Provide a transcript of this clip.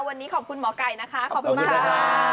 วันนี้ขอบคุณหมอไก่นะคะขอบคุณค่ะ